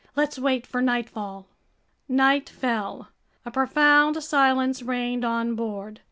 "Let's wait for nightfall." Night fell. A profound silence reigned on board.